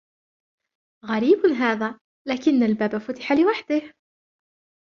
غريب هذا، لكن الباب فتح لوحده.